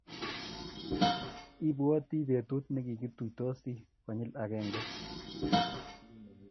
Ibwoti betut negigituisoti konyil agenge